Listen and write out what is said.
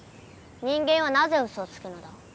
人間はなぜウソをつくのだ？